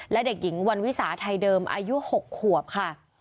และเด็กหญิงวันวิสาไทยเดิมอายุ๖ขวบค่ะ